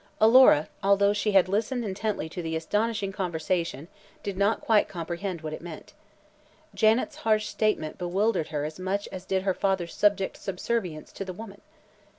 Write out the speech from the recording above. Alora, although she had listened intently to the astonishing conversation, did not quite comprehend what it meant. Janet's harsh statement bewildered her as much as did her father's subject subservience to the woman.